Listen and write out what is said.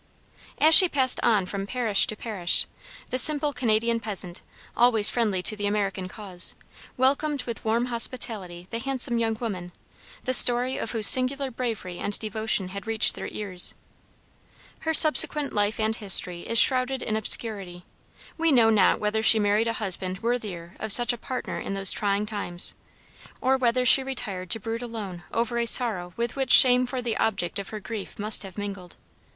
As she passed on from parish to parish, the simple Canadian peasant, always friendly to the American cause, welcomed with warm hospitality the handsome young woman, the story of whose singular bravery and devotion had reached their ears. Her subsequent life and history is shrouded in obscurity. We know not whether she married a husband worthier of such a partner in those trying times, or whether she retired to brood alone over a sorrow with which shame for the object of her grief must have mingled.